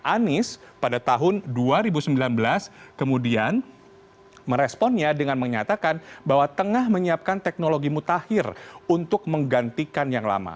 anies pada tahun dua ribu sembilan belas kemudian meresponnya dengan menyatakan bahwa tengah menyiapkan teknologi mutakhir untuk menggantikan yang lama